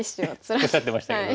おっしゃってましたけど。